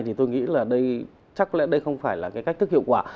thì tôi nghĩ là đây chắc lẽ đây không phải là cái cách thức hiệu quả